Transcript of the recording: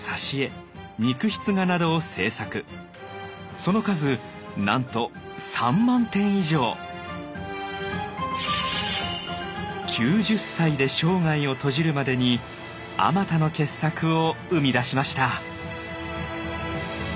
その数なんと９０歳で生涯を閉じるまでにあまたの傑作を生み出しました。